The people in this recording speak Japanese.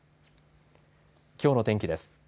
きょうの天気です。